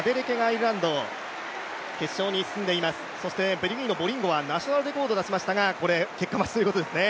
ベルギーのボリンゴはナショナルレコードを出しましたが結果待ちですね。